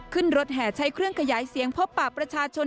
ขึ้นรถแห่ใช้เครื่องขยายเสียงพบปากประชาชน